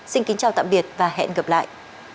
xin kính chào tạm biệt và hẹn gặp lại